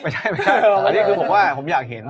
ไม่ใช่ไม่ใช่อันนี้คือผมว่าผมอยากเห็น